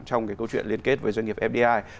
trong cái câu chuyện liên kết với doanh nghiệp fdi